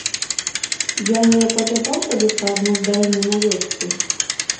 Я не апавядаў табе пра адно здарэнне на вёсцы?